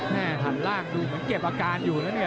หันล่างดูเหมือนเก็บอาการอยู่นะเนี่ย